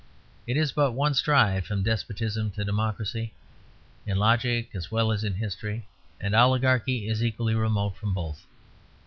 It is but one stride from despotism to democracy, in logic as well as in history; and oligarchy is equally remote from both.